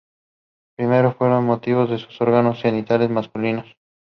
Two men were involved in this operation George William and Nicolas Edwards.